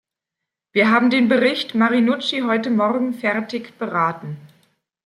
Wir haben den Bericht Marinucci heute morgen fertig beraten.